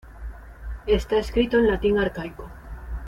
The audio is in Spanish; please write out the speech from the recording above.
Está escrito en latín arcaico.